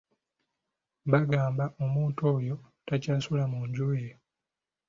Bagamba omuntu oyo takyasula mu nju ye.